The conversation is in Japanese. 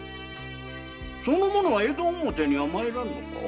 その者は江戸表には参らんのか？